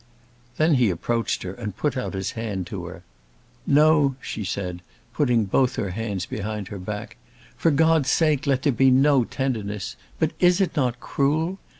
Then he approached her and put out his hand to her. "No," she said, putting both her hands behind her back, "for God's sake let there be no tenderness. But is it not cruel?